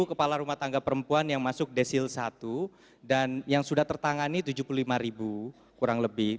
ada satu ratus empat puluh satu kepala rumah tangga perempuan yang masuk desil satu dan yang sudah tertangani tujuh puluh lima kurang lebih